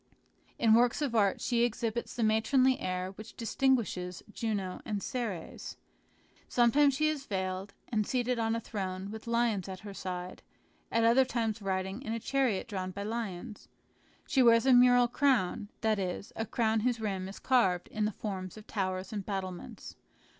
In works of art she exhibits the matronly air which distinguishes Juno and Ceres. Sometimes she is veiled, and seated on a throne with lions at her side, at other times riding in a chariot drawn by lions. She wears a mural crown, that is, a crown whose rim is carved in the form of towers and battlements.